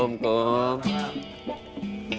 hilang aja kangen